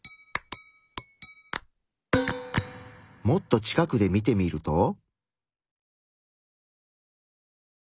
もっと近くで見てみると？